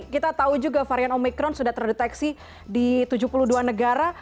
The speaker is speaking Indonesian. kita tahu juga varian omikron sudah terdeteksi di tujuh puluh dua negara